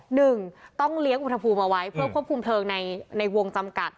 หนึ่งต้องเลี้ยงอุณหภูมิเอาไว้เพื่อควบคุมเพลิงในวงจำกัด